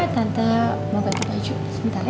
tante mau bagi baju sebentar ya